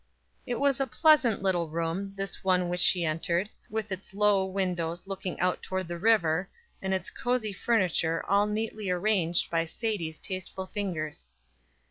It was a pleasant little room, this one which she entered, with its low windows looking out toward the river, and its cosy furniture all neatly arranged by Sadie's tasteful fingers.